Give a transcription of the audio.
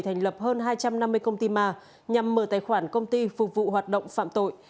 thành lập hơn hai trăm năm mươi công ty ma nhằm mở tài khoản công ty phục vụ hoạt động phạm tội